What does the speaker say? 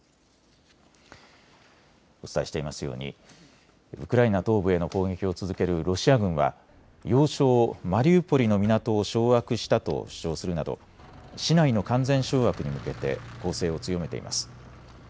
お伝えしていますようにウクライナ東部への攻撃を続けるロシア軍は要衝マリウポリの港を掌握したと主張するなど市内の完全掌握に向けて攻勢を強めています。